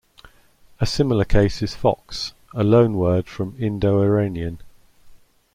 A similar case is "fox", a loanword from Indo-Iranian.